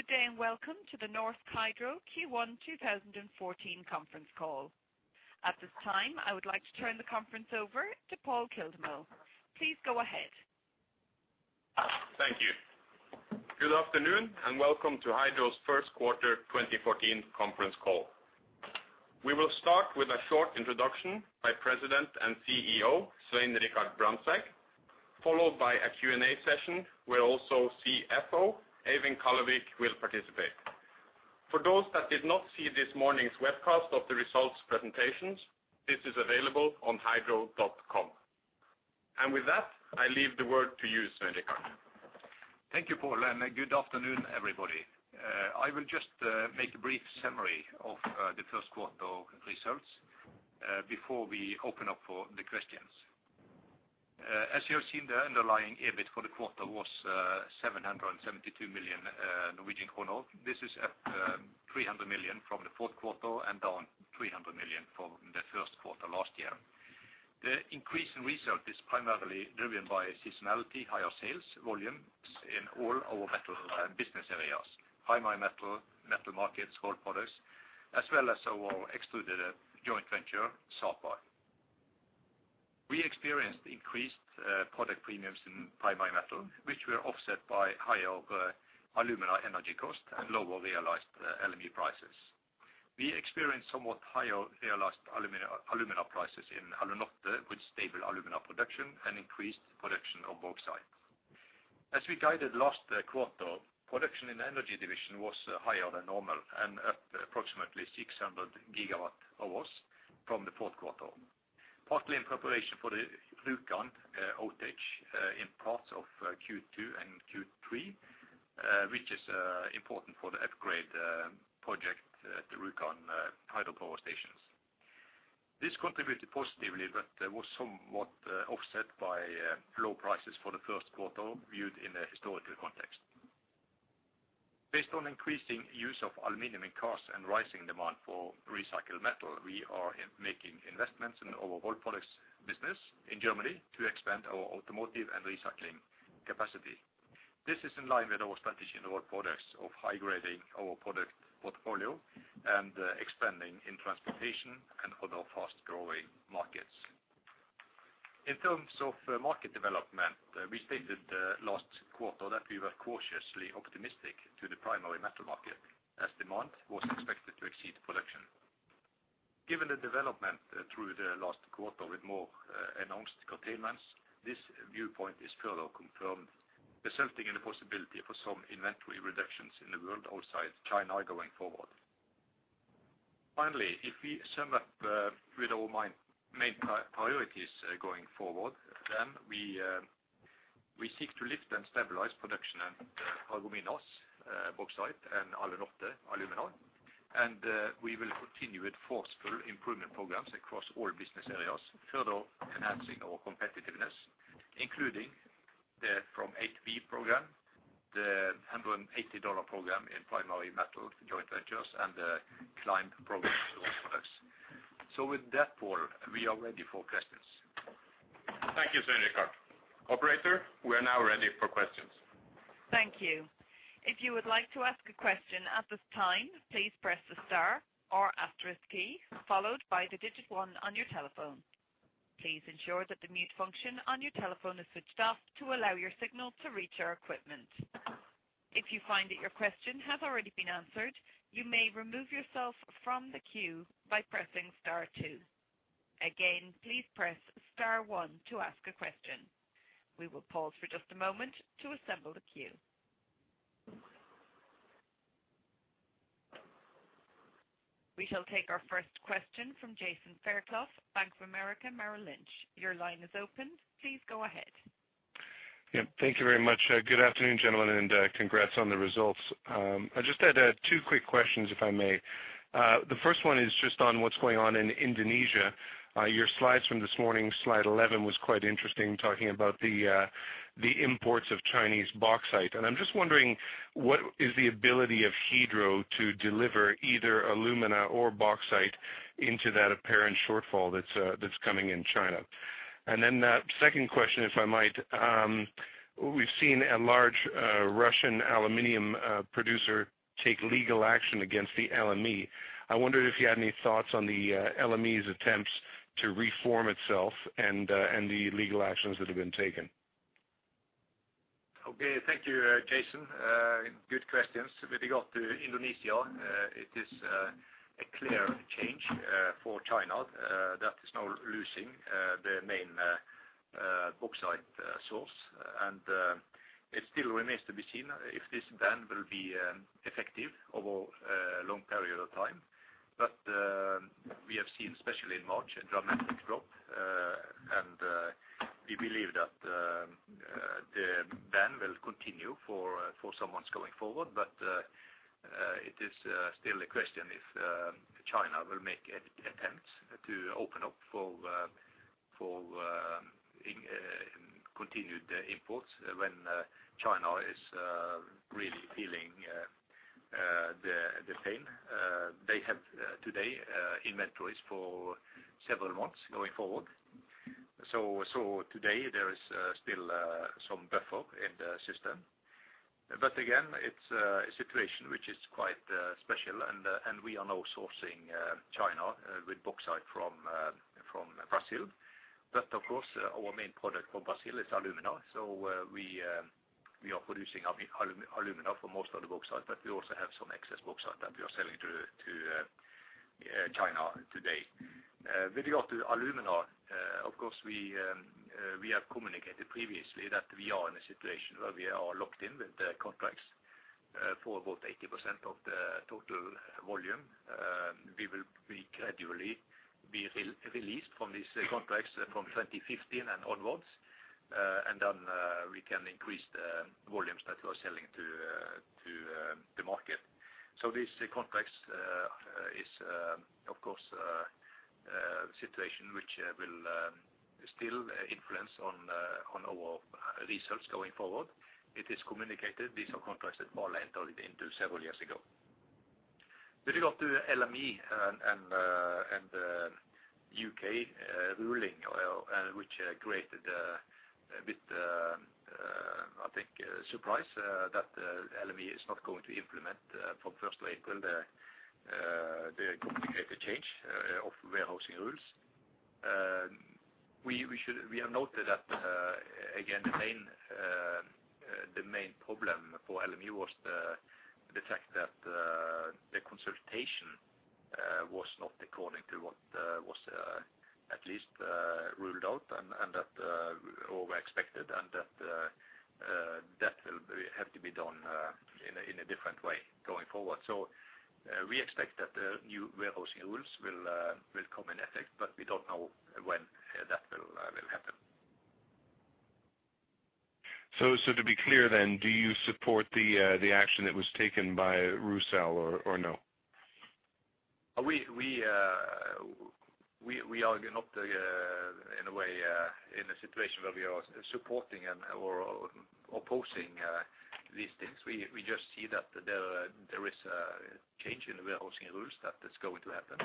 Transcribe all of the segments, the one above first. Good day, and welcome to the Norsk Hydro Q1 2014 conference call. At this time, I would like to turn the conference over to Pål Kildemo. Please go ahead. Thank you. Good afternoon, and welcome to Hydro's first quarter 2014 conference call. We will start with a short introduction by President and CEO Svein Richard Brandtzæg, followed by a Q&A session where also CFO Eivind Kallevik will participate. For those that did not see this morning's webcast of the results presentations, this is available on hydro.com. With that, I leave the word to you, Svein Richard. Thank you, Pål, and good afternoon, everybody. I will just make a brief summary of the first quarter results before we open up for the questions. As you have seen, the underlying EBIT for the quarter was 772 million Norwegian kroner. This is up 300 million from the fourth quarter and down 300 million from the first quarter last year. The increase in result is primarily driven by seasonality, higher sales volumes in all our metal business areas, primary metal markets, rolled products, as well as our extruded joint venture, Sapa. We experienced increased product premiums in primary metal, which were offset by higher Alumina and energy cost and lower realized LME prices. We experienced somewhat higher realized Alumina prices in Alunorte with stable Alumina production and increased production of Bauxite. As we guided last quarter, production in the energy division was higher than normal and up approximately 600 GWh from the fourth quarter, partly in preparation for the Rjukan outage in parts of Q2 and Q3, which is important for the upgrade project at the Rjukan hydropower stations. This contributed positively, but that was somewhat offset by low prices for the first quarter viewed in a historical context. Based on increasing use of Aluminum in cars and rising demand for recycled metal, we are making investments in our rolled products business in Germany to expand our automotive and recycling capacity. This is in line with our strategy in rolled products of high-grading our product portfolio and expanding in transportation and other fast-growing markets. In terms of market development, we stated last quarter that we were cautiously optimistic to the Primary Metal market as demand was expected to exceed production. Given the development through the last quarter with more announced containments, this viewpoint is further confirmed, resulting in the possibility for some inventory reductions in the world outside China going forward. Finally, if we sum up with our main priorities going forward, then we seek to lift and stabilize production at Paragominas Bauxite and Alunorte Alumina. We will continue with forceful improvement programs across all business areas, further enhancing our competitiveness, including the From B to A program, the $180 program in Primary Metal joint ventures and the Climb program rolled products. With that, Pål, we are ready for questions. Thank you, Svein Richard. Operator, we are now ready for questions. Thank you. If you would like to ask a question at this time, please press the star or asterisk key followed by the digit one on your telephone. Please ensure that the mute function on your telephone is switched off to allow your signal to reach our equipment. If you find that your question has already been answered, you may remove yourself from the queue by pressing star two. Again, please press star one to ask a question. We will pause for just a moment to assemble the queue. We shall take our first question from Jason Fairclough, Bank of America Merrill Lynch. Your line is opened. Please go ahead. Yeah. Thank you very much. Good afternoon, gentlemen, and congrats on the results. I just had two quick questions, if I may. The first one is just on what's going on in Indonesia. Your slides from this morning, slide 11 was quite interesting, talking about the imports of Chinese Bauxite. I'm just wondering what is the ability of Hydro to deliver either Alumina or Bauxite into that apparent shortfall that's coming in China? The second question, if I might, we've seen a large Russian Aluminum producer take legal action against the LME. I wondered if you had any thoughts on the LME's attempts to reform itself and the legal actions that have been taken. Okay. Thank you, Jason. Good questions. With regard to Indonesia, it is a clear change for China that is now losing the main Bauxite source. It still remains to be seen if this ban will be effective over a long period of time. We have seen, especially in March, a dramatic drop. We believe that the ban will continue for some months going forward. It is still a question if China will make any attempts to open up for continued imports when China is really feeling low inventories for several months going forward. Today there is still some buffer in the system. Again, it's a situation which is quite special and we are now sourcing China with Bauxite from Brazil. Of course our main product from Brazil is Alumina. We are producing Alumina for most of the Bauxite, but we also have some excess Bauxite that we are selling to China today. With regard to Alumina, of course we have communicated previously that we are in a situation where we are locked in with the contracts for about 80% of the total volume. We will be gradually released from these contracts from 2015 and onwards, and then we can increase the volumes that we're selling to the market. These contracts is, of course, a situation which will still influence on our results going forward. It is communicated. These are contracts that Vale entered into several years ago. With regard to LME and U.K. ruling, which created a bit of a surprise, I think, that LME is not going to implement from first of April the complicated change of warehousing rules. We have noted that, again, the main problem for LME was the fact that the consultation was not according to what was at least ruled out and that that will have to be done in a different way going forward. We expect that the new warehousing rules will come into effect, but we don't know when that will happen. To be clear then, do you support the action that was taken by Rusal or no? We are not in a way in a situation where we are supporting or opposing these things. We just see that there is a change in the warehousing rules that is going to happen.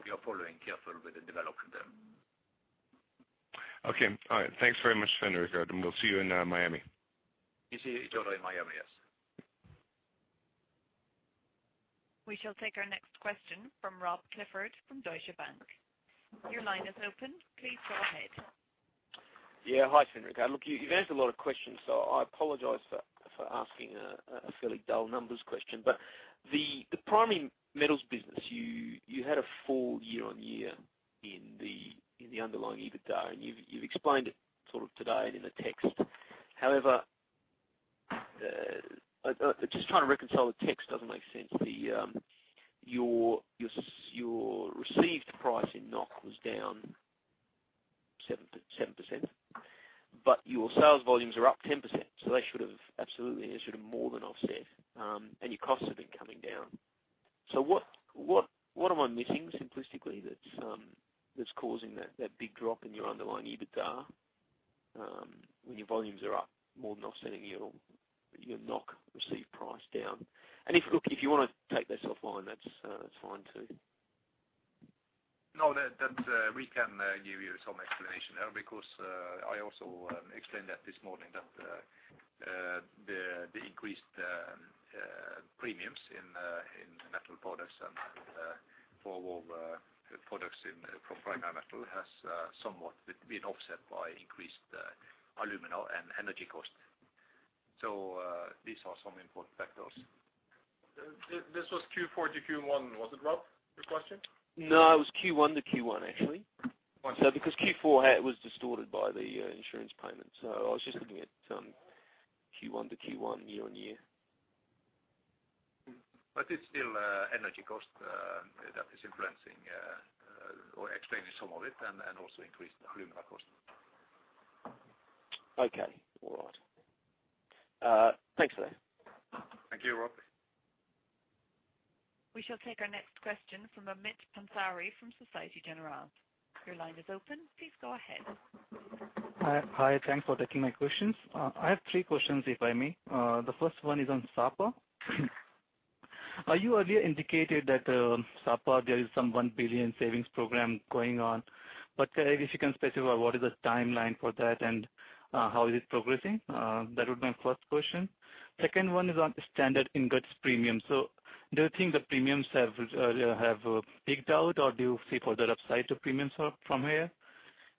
We are following carefully with the development there. Okay. All right. Thanks very much, Svein. We'll see you in Miami. We see each other in Miami, yes. We shall take our next question from Rob Clifford from Deutsche Bank. Your line is open. Please go ahead. Yeah. Hi, Svein. Look, you've answered a lot of questions, so I apologize for asking a fairly dull numbers question. The Primary Metal business, you had a full year-on-year in the underlying EBITDA, and you've explained it sort of today and in the text. However, I'm just trying to reconcile the text. It doesn't make sense. Your received price in NOK was down 7%, but your sales volumes are up 10%, so they should have more than offset absolutely, and your costs have been coming down. What am I missing simplistically that's causing that big drop in your underlying EBITDA when your volumes are up more than offsetting your NOK received price down? If you wanna take this offline, that's fine too. No, that we can give you some explanation there because I also explained that this morning that the increased premiums in metal products and for our products from Primary Metal has somewhat been offset by increased Alumina and energy costs. These are some important factors. This was Q4 to Q1, was it, Rob, your question? No, it was Q1 to Q1 actually. Q1. Because Q4 was distorted by the insurance payment. I was just looking at Q1 to Q1 year-on-year. It's still energy cost that is influencing or explaining some of it and also increased Alumina cost. Okay. All right. Thanks for that. Thank you, Rob. We shall take our next question from Amit Pansari from Société Générale. Your line is open. Please go ahead. Hi. Hi, thanks for taking my questions. I have three questions, if I may. The first one is on Sapa. You earlier indicated that, Sapa, there is some 1 billion savings program going on. If you can specify what is the timeline for that and, how is it progressing? That was my first question. Second one is on standard ingots premium. Do you think the premiums have peaked out, or do you see further upside to premiums from here?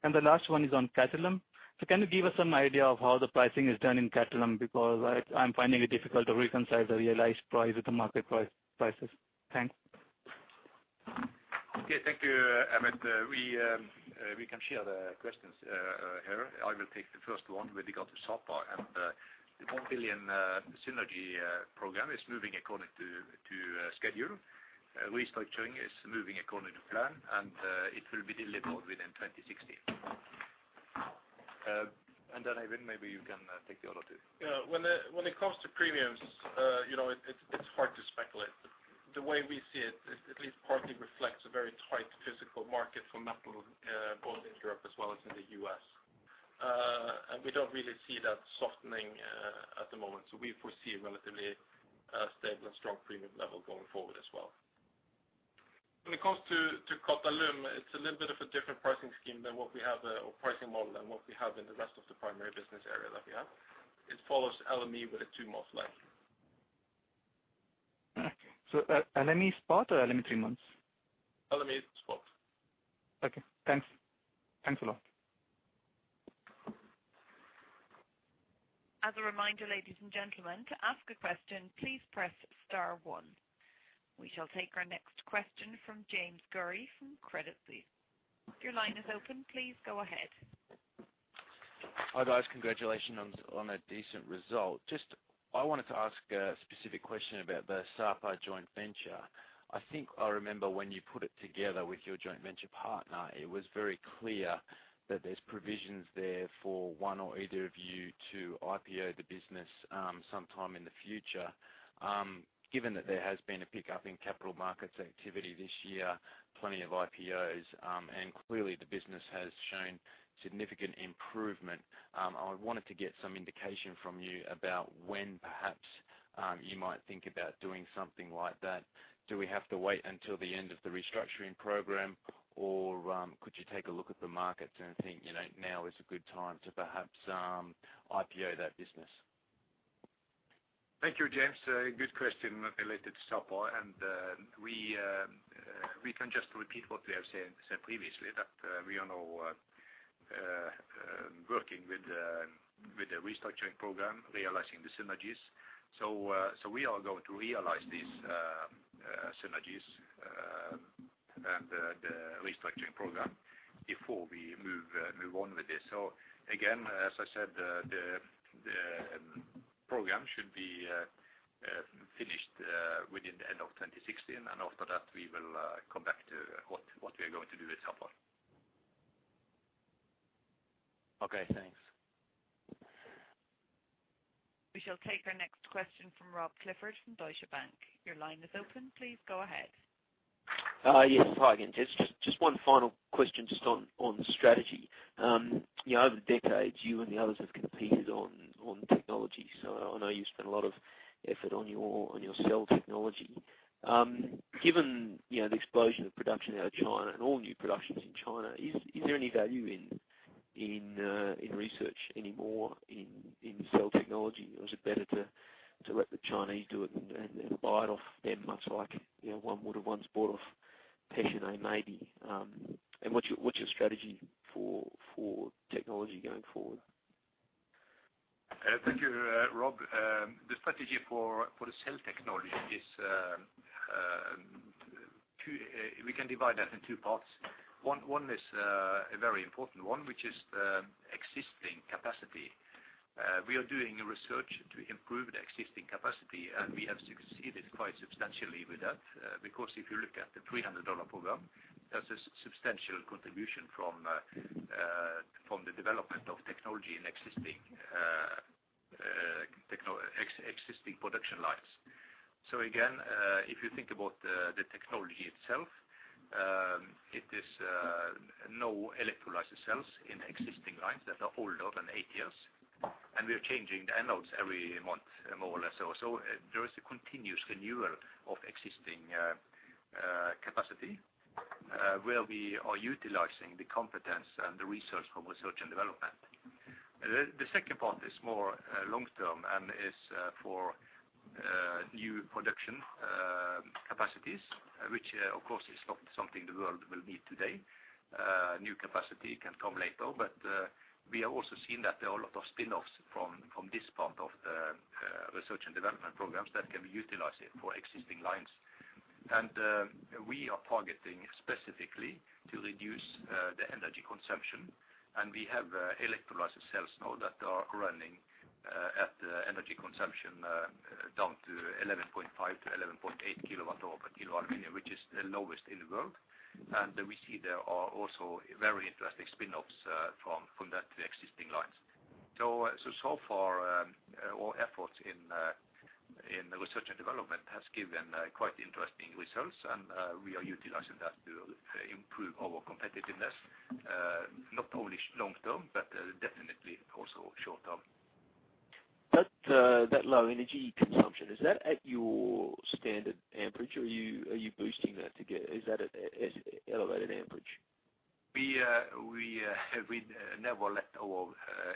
The last one is on Qatalum. Can you give us some idea of how the pricing is done in Qatalum? Because I'm finding it difficult to reconcile the realized price with the market prices. Thanks. Okay. Thank you, Amit. We can share the questions here. I will take the first one with regard to Sapa. The $1 billion synergy program is moving according to schedule. Restructuring is moving according to plan, and it will be delivered within 2016. Then Eivind, maybe you can take the other two. Yeah. When it comes to premiums, you know, it's hard to speculate. The way we see it at least partly reflects a very tight physical market for metal, both in Europe as well as in the U.S. We don't really see that softening at the moment. We foresee a relatively stable and strong premium level going forward as well. When it comes to Qatalum, it's a little bit of a different pricing scheme than what we have or pricing model than what we have in the rest of the primary business area that we have. It follows LME with a two-month lag. Okay. LME spot or LME three months? LME spot. Okay, thanks. Thanks a lot. As a reminder, ladies and gentlemen, to ask a question, please press star one. We shall take our next question from James Gurry from Credit Suisse. Your line is open. Please go ahead. Hi, guys. Congratulations on a decent result. I wanted to ask a specific question about the Sapa joint venture. I think I remember when you put it together with your joint venture partner, it was very clear that there's provisions there for one or either of you to IPO the business sometime in the future. Given that there has been a pickup in capital markets activity this year, plenty of IPOs, and clearly the business has shown significant improvement, I wanted to get some indication from you about when perhaps you might think about doing something like that. Do we have to wait until the end of the restructuring program, or could you take a look at the markets and think, you know, now is a good time to perhaps IPO that business? Thank you, James. A good question related to Sapa. We can just repeat what we have said previously, that we are now working with the restructuring program, realizing the synergies. We are going to realize these synergies and the restructuring program before we move on with this. Again, as I said, the program should be finished within the end of 2016, and after that, we will come back to what we are going to do with Sapa. Okay, thanks. We shall take our next question from Rob Clifford from Deutsche Bank. Your line is open. Please go ahead. Yes. Hi again, just one final question just on strategy. You know, over decades, you and the others have competed on technology. I know you spend a lot of effort on your cell technology. Given, you know, the explosion of production out of China and all new productions in China, is there any value in research anymore in cell technology? Or is it better to let the Chinese do it and buy it off them, much like, you know, one would have once bought off Pechiney maybe? What's your strategy for technology going forward? Thank you, Rob. The strategy for the cell technology is. We can divide that in two parts. One is a very important one, which is existing capacity. We are doing research to improve the existing capacity, and we have succeeded quite substantially with that. Because if you look at the $300 program, that's a substantial contribution from the development of technology in existing production lines. Again, if you think about the technology itself, it is no electrolysis cells in existing lines that are older than eight years, and we are changing the anodes every month, more or less. There is a continuous renewal of existing capacity, where we are utilizing the competence and the research from research and development. The second part is more long term and is for new production capacities, which, of course, is not something the world will need today. New capacity can come later, but we are also seeing that there are a lot of spinoffs from this part of the research and development programs that can be utilized for existing lines. We are targeting specifically to reduce the energy consumption, and we have electrolysis cells now that are running at energy consumption down to 11.5-11.8 kWh per kilo of Aluminum, which is the lowest in the world. We see there are also very interesting spinoffs from that to existing lines. So far, our efforts in research and development has given quite interesting results, and we are utilizing that to improve our competitiveness, not only long term, but definitely also short term. That low energy consumption, is that at your standard amperage, or are you boosting that? Is that at elevated amperage? We never let our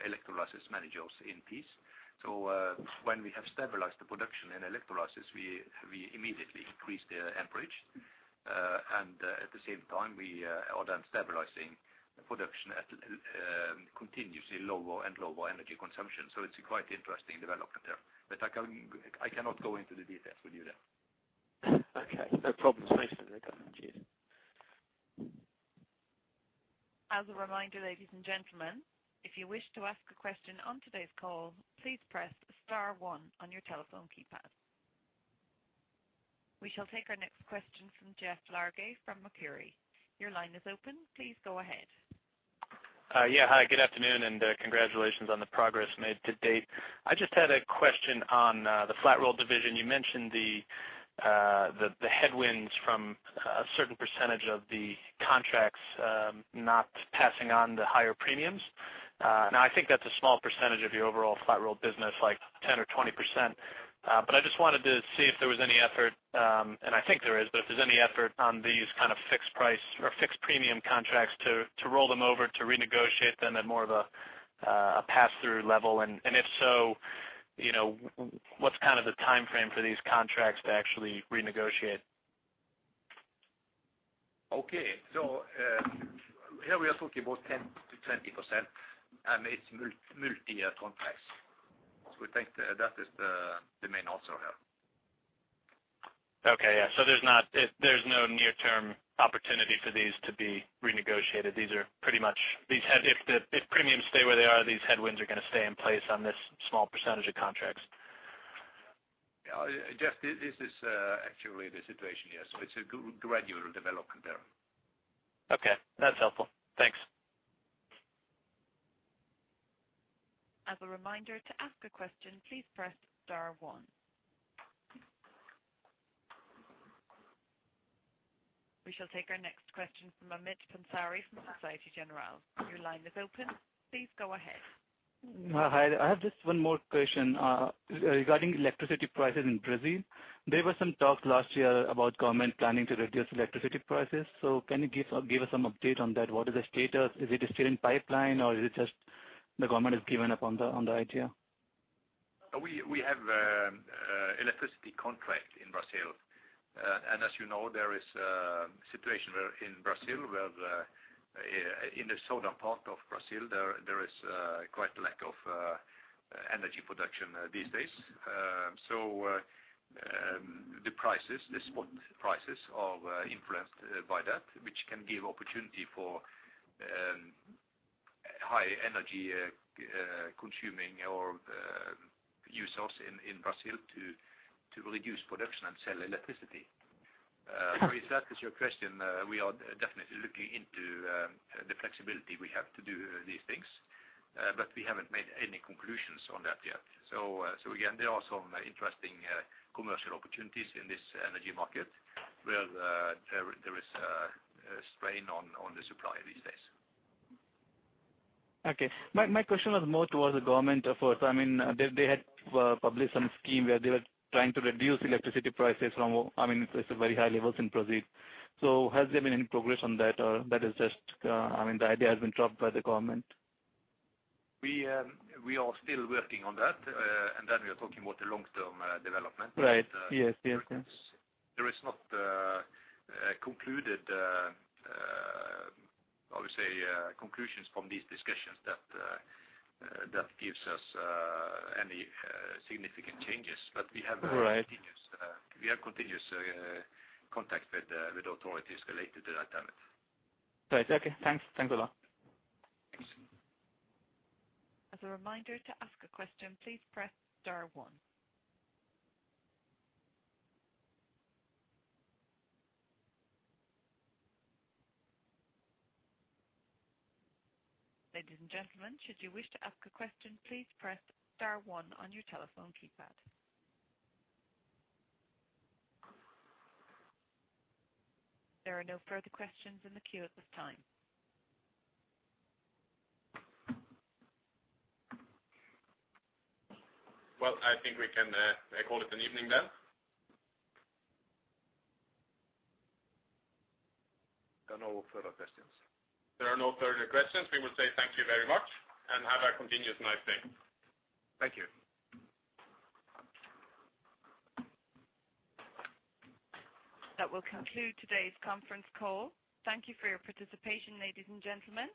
electrolysis managers in peace. When we have stabilized the production in electrolysis, we immediately increase the amperage. At the same time, we are then stabilizing production at continuously lower and lower energy consumption. It's a quite interesting development there. I cannot go into the details with you there. Okay, no problem. Thanks for the comment. Cheers. As a reminder, ladies and gentlemen, if you wish to ask a question on today's call, please press star one on your telephone keypad. We shall take our next question from Jeff Largey from Macquarie. Your line is open. Please go ahead. Yeah. Hi, good afternoon, and congratulations on the progress made to date. I just had a question on the flat roll division. You mentioned the headwinds from a certain percentage of the contracts not passing on the higher premiums. Now I think that's a small percentage of your overall flat roll business, like 10 or 20%. But I just wanted to see if there was any effort, and I think there is, but if there's any effort on these kind of fixed price or fixed premium contracts to roll them over to renegotiate them at more of a passthrough level. If so, you know, what's kind of the timeframe for these contracts to actually renegotiate? Okay, here we are talking about 10%-20%, and it's multi-year contracts. We think that is the main also here. Okay, yeah. There's no near-term opportunity for these to be renegotiated. If premiums stay where they are, these headwinds are gonna stay in place on this small percentage of contracts. Yeah, just this is, actually the situation here. It's a gradual development there. Okay, that's helpful. Thanks. As a reminder, to ask a question, please press star one. We shall take our next question from Amit Pansari from Société Générale. Your line is open. Please go ahead. Hi. I have just one more question, regarding electricity prices in Brazil. There were some talks last year about government planning to reduce electricity prices. Can you give us some update on that? What is the status? Is it still in pipeline or is it just the government has given up on the idea? We have an electricity contract in Brazil. As you know, there is a situation in Brazil where in the southern part of Brazil, there is quite a lack of energy production these days. The spot prices are influenced by that, which can give opportunity for high energy-consuming users in Brazil to reduce production and sell electricity. If that is your question, we are definitely looking into the flexibility we have to do these things. We haven't made any conclusions on that yet. Again, there are some interesting commercial opportunities in this energy market where there is a strain on the supply these days. Okay. My question was more towards the government efforts. I mean, they had published some scheme where they were trying to reduce electricity prices from, I mean, it's a very high levels in Brazil. Has there been any progress on that or that is just, I mean, the idea has been dropped by the government? We are still working on that. We are talking about the long-term development. Right. Yes, yes. I would say, conclusions from these discussions that gives us any significant changes. We have- Right. We have continuous contact with authorities related to that tariff. Right. Okay. Thanks. Thanks a lot. Thanks. As a reminder, to ask a question, please press star one. Ladies and gentlemen, should you wish to ask a question, please press star one on your telephone keypad. There are no further questions in the queue at this time. Well, I think we can call it an evening then. There are no further questions. There are no further questions. We will say thank you very much and have a continuous nice day. Thank you. That will conclude today's conference call. Thank you for your participation, ladies and gentlemen.